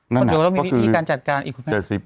เดี๋ยวก็เรามีพิธีการจัดการอีกความคุ้นสำนวน